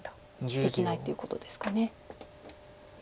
できないということですか。